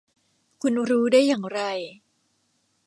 คุณรู้ได้อย่างไร ?